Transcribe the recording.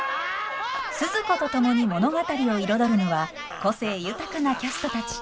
スズ子と共に物語を彩るのは個性豊かなキャストたち。